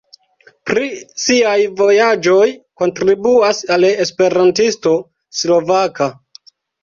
Pri siaj vojaĝoj kontribuas al Esperantisto Slovaka.